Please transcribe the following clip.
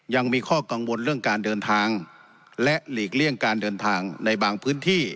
ยังมีข้อกังวลเรื่องการเดินทางและหลีกเลี่ยงการเดินทางในบางพื้นที่